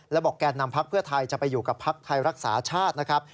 แล้วบอกแก่นำพักเพื่อไทยจะไปอยู่กับพักไทยรักษาชาตินะครับ